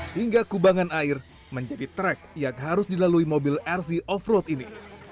hingga kubangan air menjadi track yang harus dilalui mobil rc off road ini